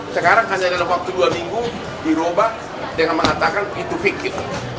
sekarang hanya dalam waktu dua minggu dirobah dengan mengatakan itu fiktif